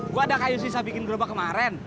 gue ada kayu sisa bikin gerobak kemarin